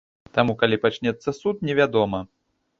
Таму калі пачнецца суд, невядома.